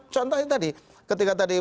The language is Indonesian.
contohnya tadi ketika tadi